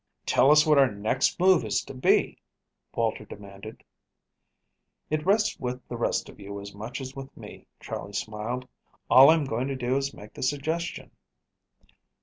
"Tell us what our next move is to be," Walter demanded. "It rests with the rest of you as much as with me," Charley smiled. "All I am going to do is to make the suggestion."